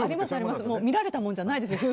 見られたもんじゃないです